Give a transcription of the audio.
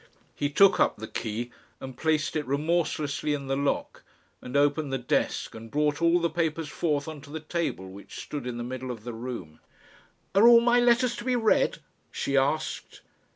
He took up the key, and placed it remorselessly in the lock, and opened the desk, and brought all the papers forth on to the table which stood in the middle of the room. "Are all my letters to be read?" she asked.